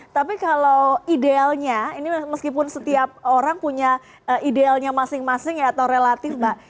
tapi kalau idealnya ini meskipun setiap orang punya idealnya masing masing ya atau relatif mbak